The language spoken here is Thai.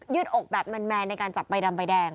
ืดอกแบบแมนในการจับใบดำใบแดง